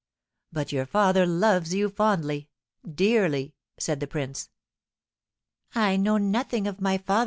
"But your father loves you fondly dearly!" said the prince. "I know nothing of my father, M.